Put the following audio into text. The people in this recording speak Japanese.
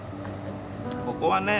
ここはね